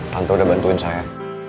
tante udah bantuin saya